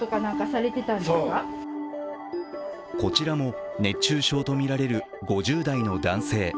こちらも熱中症とみられる５０代の男性。